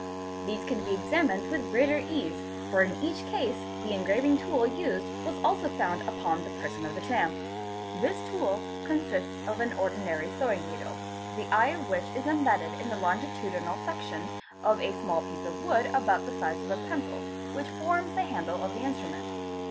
These can be examined with greater ease, for in each case the engraving tool used was also found upon the person of the tramp. This tool consists of an ordinary sewing needle, the eye of which is embedded in the longitudinal section of a small piece of wood about the size of a pencil, which forms the handle of the instrument.